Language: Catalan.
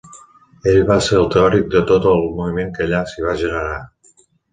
Ell va ser el teòric de tot el moviment que allà s'hi va generar.